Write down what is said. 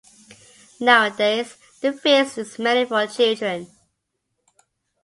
Nowadays, the feast is mainly for children.